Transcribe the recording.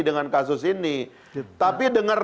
dengan kasus ini tapi dengar